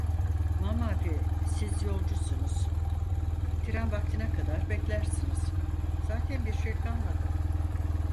Mamafih siz yolcusunuz, tren vaktine kadar beklersiniz, zaten bir şey kalmadı.